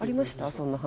そんな話。